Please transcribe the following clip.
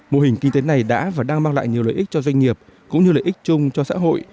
mô hình kinh tế này đã và đang mang lại nhiều lợi ích cho doanh nghiệp cũng như lợi ích chung cho xã hội